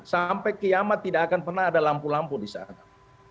sampai kiamat tidak akan pernah ada lampu lampu di sana